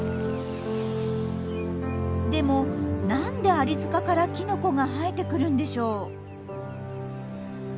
でもなんでアリ塚からキノコが生えてくるんでしょう？